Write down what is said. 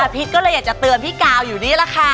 พิษก็เลยอยากจะเตือนพี่กาวอยู่นี่แหละค่ะ